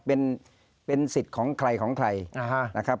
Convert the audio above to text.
เป็นสิทธิ์ของใครของใครนะครับ